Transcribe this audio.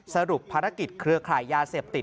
สรุปภารกิจเครือข่ายยาเสพติด